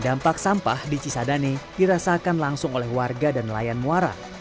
dampak sampah di cisadane dirasakan langsung oleh warga dan nelayan muara